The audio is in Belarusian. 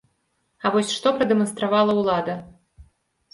А вось што прадэманстравала ўлада?